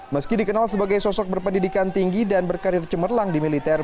meski dikenal sebagai sosok berpendidikan tinggi dan berkarir cemerlang di militer